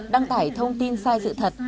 đăng tải thông tin sai sự thật